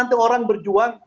nanti orang berjuang